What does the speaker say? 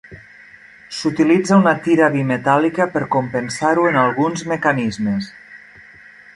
S'utilitza una tira bimetàl·lica per compensar-ho en alguns mecanismes.